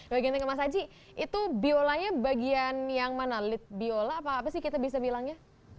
bagiannya ke mas aji itu biolanya bagian yang mana lead biola apa sih kita bisa bilangnya